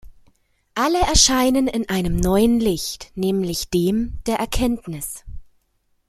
Alle erscheinen in einem neuen Licht, nämlich dem der Erkenntnis.